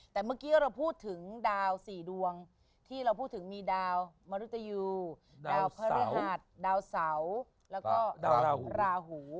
แต่เมื่อกี้เราพูดถึงดาว๔ดวงที่เราพูดถึงมีดาวมรุตยูดาวพระฤหัสดาวเสาแล้วก็ดาวราหู